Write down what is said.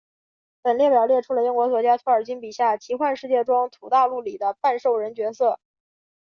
本列表列出了英国作家托尔金笔下奇幻世界中土大陆里的半兽人角色。